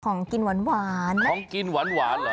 ของกินหวานของกินหวานเหรอ